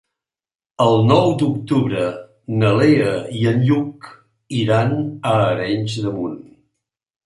El nou d'octubre na Lea i en Lluc iran a Arenys de Munt.